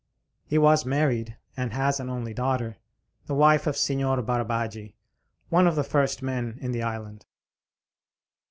He was married, and has an only daughter, the wife of Signor Barbaggi, one of the first men in the island.